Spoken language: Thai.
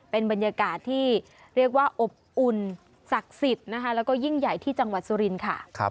เป็นบรรยากาศที่เรียกว่าอบอุ่นศักดิ์สิทธิ์นะคะแล้วก็ยิ่งใหญ่ที่จังหวัดสุรินทร์ค่ะ